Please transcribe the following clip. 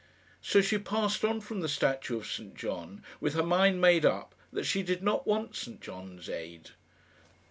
So she passed on from the statue of St John, with her mind made up that she did not want St John's aid.